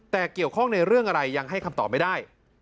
แต่เกี่ยวข้องในเรื่องอะไรยังให้คำตอบไม่ได้